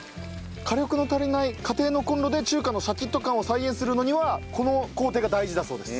火力の足りない家庭のコンロで中華のシャキッと感を再現するのにはこの工程が大事だそうです。